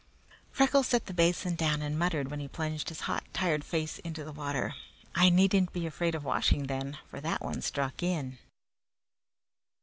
Freckles set the basin down and muttered as he plunged his hot, tired face into the water, "I needn't be afraid to be washing, then, for that one struck in."